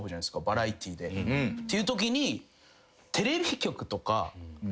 バラエティーで。っていうときに。